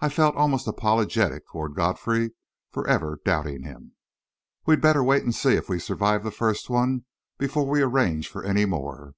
I felt almost apologetic toward Godfrey for ever doubting him. "We'd better wait and see if we survive the first one before we arrange for any more."